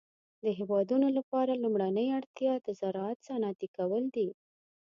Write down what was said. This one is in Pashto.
د هيوادونو لپاره لومړنۍ اړتيا د زراعت صنعتي کول دي.